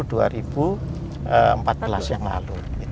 pertama kelas yang lalu